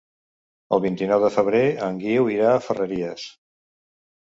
El vint-i-nou de febrer en Guiu irà a Ferreries.